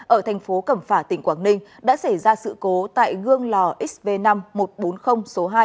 ở thành phố cẩm phả tỉnh quảng ninh đã xảy ra sự cố tại gương lò xv năm một trăm bốn mươi số hai